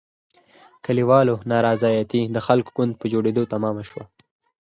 کلیوالو نارضایتي د خلکو ګوند په جوړېدو تمامه شوه.